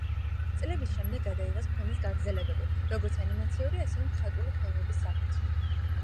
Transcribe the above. წლების შემდეგ გადაიღეს ფილმის გაგრძელებები, როგორც ანიმაციური, ასევე მხატვრული ფილმების სახით.